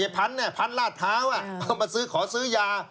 ไอ้พันธุ์นี่พันธุ์ลาดเท้ามาขอซื้อยา